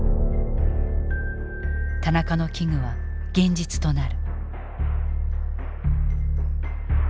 田中の危惧は現実となる。